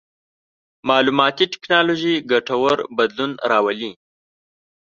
مالوماتي ټکنالوژي ګټور بدلون راولي.